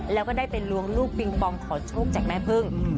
แล้วก็ได้ไปล้วงลูกปิงปองขอโชคจากแม่พึ่ง